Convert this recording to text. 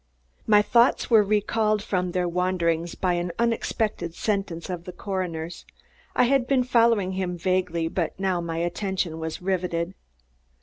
My thoughts were recalled from their wanderings by an unexpected sentence of the coroner's. I had been following him vaguely, but now my attention was riveted.